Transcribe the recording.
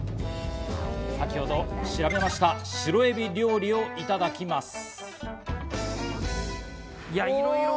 先ほど調べました白エビ料理をいただきます。